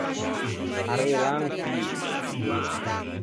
Arrëlâ un fî.